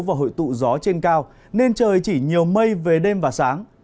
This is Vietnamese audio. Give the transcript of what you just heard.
và hội tụ gió trên cao nên trời chỉ nhiều mây về đêm và sáng